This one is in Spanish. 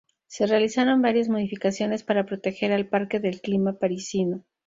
Se realizaron varias modificaciones para proteger al parque del clima parisino.